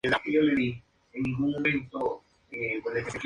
Toda Europa, excepto Irlanda y Países Bajos.